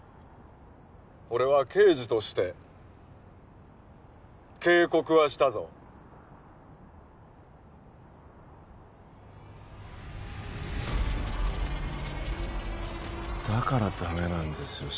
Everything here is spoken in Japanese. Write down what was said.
俺は刑事として警告はしたぞだからダメなんですよ